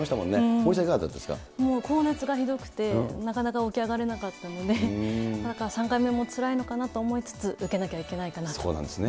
森さん、いかがもう高熱がひどくて、なかなか起き上がれなかったので、だから３回目もつらいのかなと思いつつ、え受けなきゃいけないかそうなんですね。